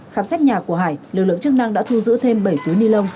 khám xét nhà của hải lực lượng chức năng đã thu giữ thêm bảy túi ni lông